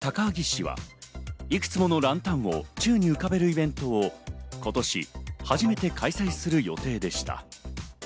茨城県高萩市は、いくつものランタンを宙に浮かべるイベントを今年初めて開催する予定でした。